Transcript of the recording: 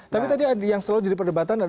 tapi tadi yang selalu jadi perdebatan